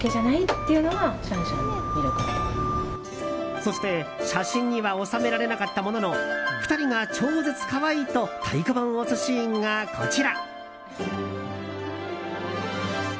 そして、写真には収められなかったものの２人が超絶可愛いと太鼓判を押すシーンがこちら。